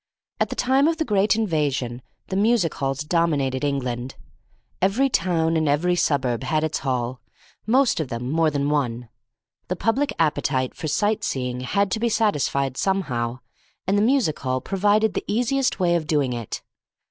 At the time of the great invasion the music halls dominated England. Every town and every suburb had its Hall, most of them more than one. The public appetite for sight seeing had to be satisfied somehow, and the music hall provided the easiest way of doing it.